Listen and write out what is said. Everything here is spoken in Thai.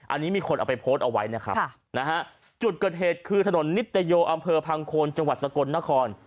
อันนี้มีคนเอาไปโพสต์เอาไว้นะครับนะฮะจุดเกิดเหตุคือถนนนิตโยอำเภอพังโคนจังหวัดสกลนคร